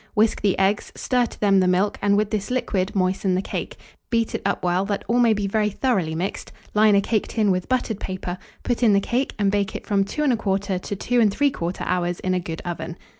Whisk the eggs, stir to them the milk, and with this liquid moisten the cake; beat it up well, that all may be very thoroughly mixed; line a cake tin with buttered paper, put in the cake, and bake it from 2 1/4 to 2 3/4 hours in a good oven.